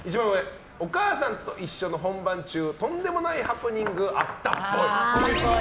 「おかあさんといっしょ」の本番中とんでもないハプニングあったっぽい。